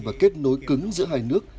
và kết nối cứng giữa hai nước